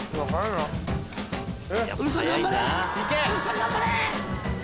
頑張れ！